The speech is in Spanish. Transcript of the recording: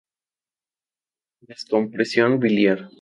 Descompresión biliar.